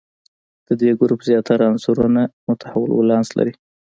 د دې ګروپ زیاتره عنصرونه متحول ولانس لري.